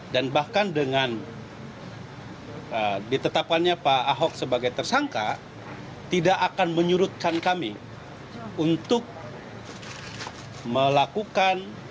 dan bahkan dengan ditetapkannya pak ahok sebagai tersangka tidak akan menyurutkan kami untuk melakukan